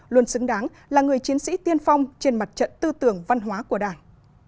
luôn xứng đáng là người chiến sĩ tiên phong trên mặt trận tư tưởng văn hóa của đảng